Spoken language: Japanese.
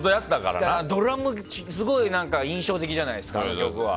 ドラムすごい印象的じゃないですか。